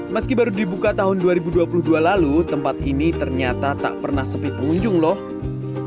meski baru dibuka tahun dua ribu dua puluh dua lalu tempat ini ternyata tak pernah sepi pengunjung loh